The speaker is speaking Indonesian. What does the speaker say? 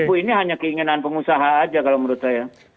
bu ini hanya keinginan pengusaha aja kalau menurut saya